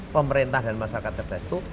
pemerintah dan masyarakat terbatas itu